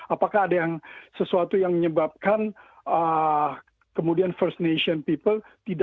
apakah ada yang sesuatu yang menyebabkan kemudian first nation people